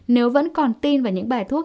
nếu vẫn còn tin vào những bài thuốc